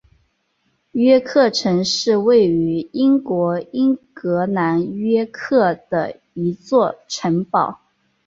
约克城是位于英国英格兰约克的一座城堡。